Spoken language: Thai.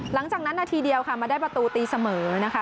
หลังจากนั้นนาทีเดียวค่ะมาได้ประตูตีเสมอนะคะ